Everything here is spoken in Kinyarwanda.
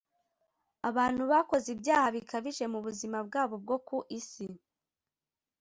abantu bakoze ibyaha bikabije mu buzima bwabo bwo ku isi